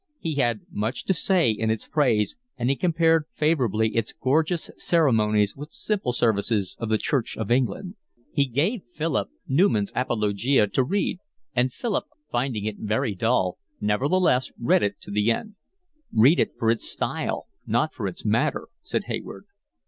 He had much to say in its praise, and he compared favourably its gorgeous ceremonies with the simple services of the Church of England. He gave Philip Newman's Apologia to read, and Philip, finding it very dull, nevertheless read it to the end. "Read it for its style, not for its matter," said Hayward.